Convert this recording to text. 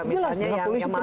jelas dengan polisi penting